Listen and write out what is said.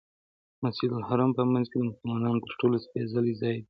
مسجدالحرام په منځ کې د مسلمانانو تر ټولو سپېڅلی ځای دی.